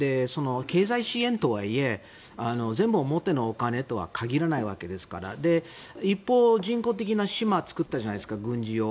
経済支援とはいえ全部、表のお金とは限らないわけですから一方、人工的な島を作ったじゃないですか軍事用の。